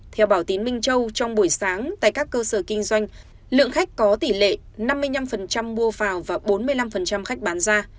theo bảo tín minh châu trong buổi sáng tại các cơ sở kinh doanh lượng khách có tỷ lệ năm mươi năm mua vào và bốn mươi năm khách bán ra